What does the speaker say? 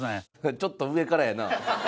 ちょっと上からやな。